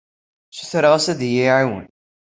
Ssutreɣ-as ad iyi-iɛawen.